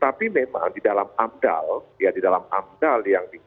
tapi memang di dalam amdal ya di dalam amdal yang di